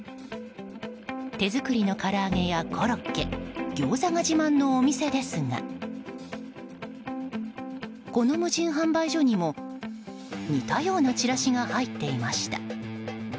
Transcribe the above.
手作りのから揚げやコロッケギョーザが自慢のお店ですがこの無人販売所にも、似たようなチラシが入っていました。